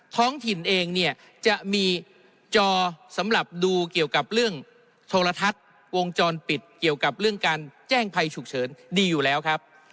ท้องถิ่นเองเนี่ยจะมีจอสำหรับดูเกี่ยวกับเรื่องโทรทัศน์วงจรปิดเกี่ยวกับเรื่องการแจ้งภัยฉุกเฉินดีอยู่แล้วครับ